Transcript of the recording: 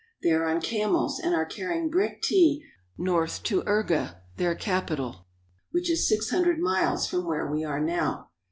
They are on camels and are carrying brick tea north to Urga, their capital, which is six hundred miles from where we are now.